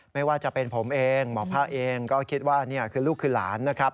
ไม่ว่าจะเป็นผมเองหมอภาคเองก็คิดว่านี่คือลูกคือหลานนะครับ